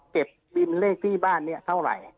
บินเลขที่บ้านเนี่ยเท่าไหร่